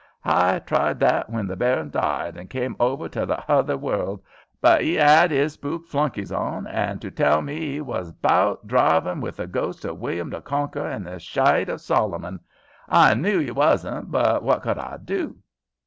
H'I tried that when the baron died and came over to the hother world, but 'e 'ad 'is spook flunkies on 'and to tell me 'e was hout drivin' with the ghost of William the Conqueror and the shide of Solomon. H'I knew 'e wasn't, but what could h'I do?"